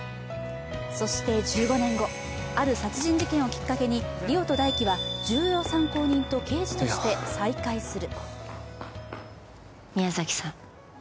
そして１５年後、ある殺人事件をきっかけに梨央と大輝は重要参考人と刑事として再会する。